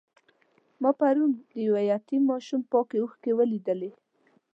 ما پرون د یو یتیم ماشوم پاکې اوښکې ولیدلې.